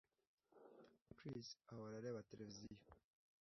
Chris ahora areba televiziyo